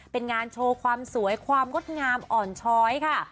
เป็นงานโชว์ความสวยความงดงามอ่อนช้อยค่ะ